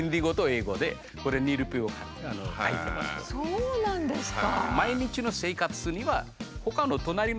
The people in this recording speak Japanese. そうなんですか。